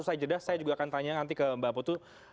saya juga akan tanya nanti ke mbak putu